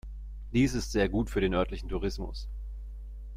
Dies ist sehr gut für den örtlichen Tourismus.